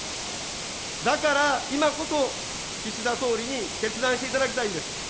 だから、今こそ岸田総理に決断していただきたいんです。